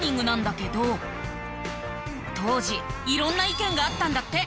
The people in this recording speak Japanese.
当時色んな意見があったんだって。